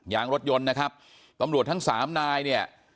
ยางรถยนต์นะครับตำรวจทั้งสามนายเนี่ย